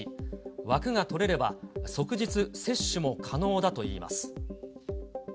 枠が取れれば、即日接種も可能だといいます。